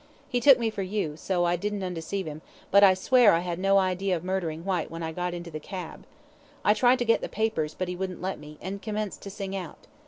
He took me for you, so I didn't undeceive him, but I swear I had no idea of murdering Whyte when I got into the cab. I tried to get the papers, but he wouldn't let me, and commenced to sing out.